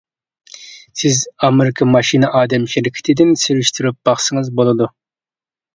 سىز ئامېرىكا ماشىنا ئادەم شىركىتىدىن سۈرۈشتۈرۈپ باقسىڭىز بولىدۇ.